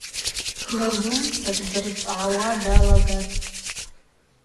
Кьазумца дырцӏгӏауа далагатӏ.